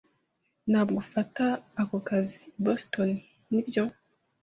Ntabwo ufata ako kazi i Boston, nibyo?